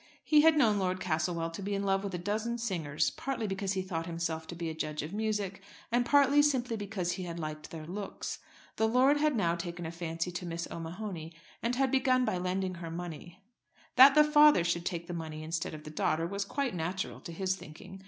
He had known Lord Castlewell to be in love with a dozen singers, partly because he thought himself to be a judge of music, and partly simply because he had liked their looks. The lord had now taken a fancy to Miss O'Mahony, and had begun by lending her money. That the father should take the money instead of the daughter, was quite natural to his thinking.